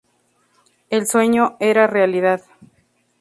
El sueño era realidad.